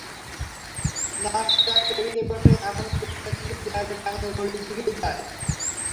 নাশতার টেবিলে বসে এখনো চোখটা কিন্তু দেয়ালে টাঙানো ঘড়ির দিকেই যায়।